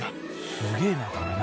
すげえなこれな。